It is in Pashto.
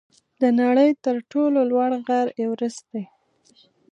د نړۍ تر ټولو لوړ غر ایورسټ دی.